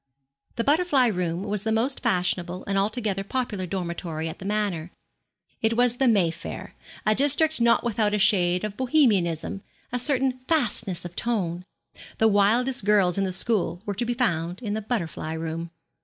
The butterfly room was the most fashionable and altogether popular dormitory at the Manor. It was the May Fair a district not without a shade of Bohemianism, a certain fastness of tone. The wildest girls in the school were to be found in the butterfly room.